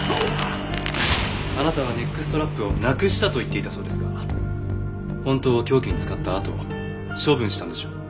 あなたはネックストラップをなくしたと言っていたそうですが本当は凶器に使ったあと処分したんでしょ？